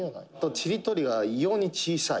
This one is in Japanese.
ちりとりが異様に小さい」